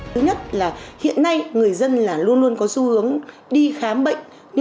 thứ nhất là hiện nay người dân là luôn luôn có xu hướng đi khám bệnh